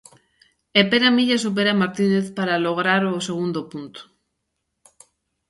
E Pera Milla supera a Martínez para lograr o segundo punto.